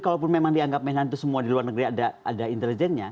kalaupun memang dianggap menhan itu semua di luar negeri ada intelijennya